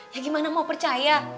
ya gimana mau percaya